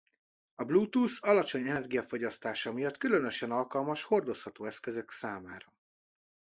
A Bluetooth alacsony energiafogyasztása miatt különösen alkalmas hordozható eszközök számára.